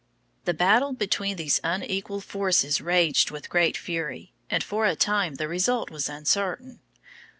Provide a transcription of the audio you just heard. The battle between these unequal forces raged with great fury, and for a time the result was uncertain.